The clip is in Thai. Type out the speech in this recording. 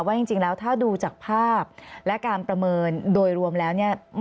จริงแล้วถ้าดูจากภาพและการประเมินโดยรวมแล้วเนี่ย